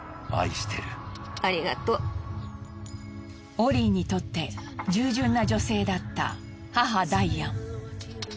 オリーにとって従順な女性だった母ダイアン。